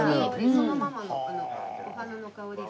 そのままのお花の香り。